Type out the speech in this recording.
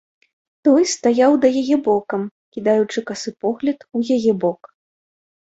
Той стаяў да яе бокам, кідаючы касы погляд у яе бок.